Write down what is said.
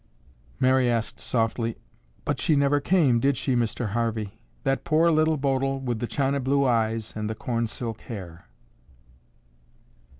Mary asked softly, "But she never came, did she, Mr. Harvey? That poor Little Bodil with the china blue eyes and the corn silk hair."